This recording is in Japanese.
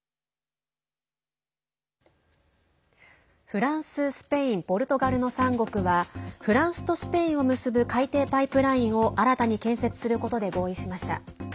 フランス、スペインポルトガルの３国はフランスとスペインを結ぶ海底パイプラインを新たに建設することで合意しました。